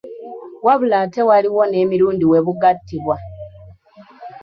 Wabula ate waliwo n’emirundi we bugattibwa.